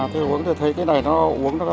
thưa quý vị tôi thấy cái này nó uống rất là tốt